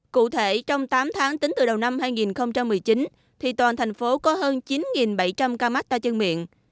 cụ thể trong tám tháng tính từ đầu năm hai nghìn một mươi chín thì toàn thành phố có hơn chín bảy trăm linh ca mắc tay chân miệng